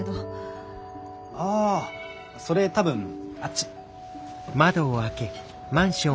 ああそれ多分あっち。